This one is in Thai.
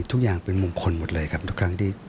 ทุกอย่างเป็นมงคลหมดเลยครับทุกครั้งที่